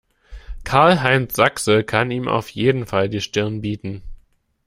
Karl-Heinz Sachse kann ihm auf jeden Fall die Stirn bieten.